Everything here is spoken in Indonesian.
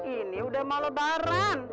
ini udah malu baran